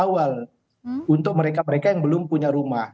pertama kita harus mencari tempat awal untuk mereka mereka yang belum punya rumah